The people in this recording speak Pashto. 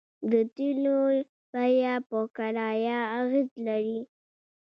د تیلو بیه په کرایه اغیز لري